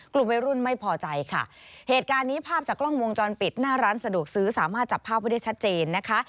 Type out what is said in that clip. กลุ่มวัยรุ่นไม่พอใจค่ะเหตุการณ์นี้ภาพจากกล้องวงจรปิดหน้าร้านสะดวกซื้อสามารถจับภาพไว้ได้ชัดเจนนะคะ